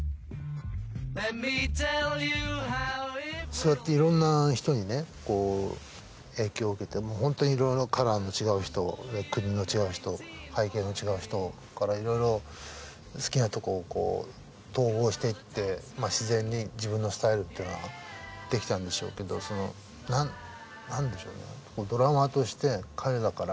そうやっていろんな人にね影響を受けて本当にいろいろカラーの違う人国の違う人背景の違う人からいろいろ好きなとこを統合していって自然に自分のスタイルっていうのは出来たんでしょうけどその何でしょうドラマーとして彼らから何を学んだ。